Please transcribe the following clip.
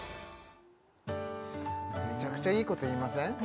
めちゃくちゃいいこと言いません？